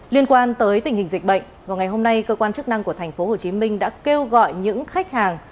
liên quan tới tình hình dịch bệnh vào ngày hôm nay cơ quan chức năng của tp hcm đã kêu gọi những khách hàng